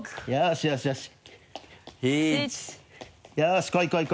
７。よしこいこい。